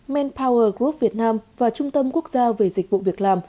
manpower group việt nam và trung tâm quốc gia về dịch vụ việc làm